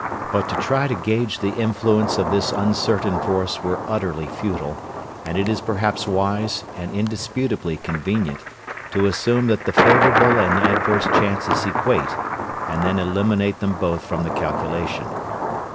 But to try to gauge the influence of this uncertain force were utterly futile, and it is perhaps wise, and indisputably convenient, to assume that the favourable and adverse chances equate, and then eliminate them both from the calculation.